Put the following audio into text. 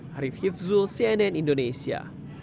harif hifzul cnn indonesia